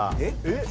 えっ？